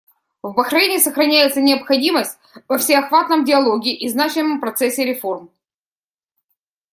В Бахрейне сохраняется необходимость во всеохватном диалоге и значимом процессе реформ.